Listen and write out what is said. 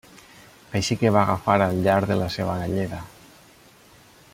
Així que va agafar al llarg de la seva galleda.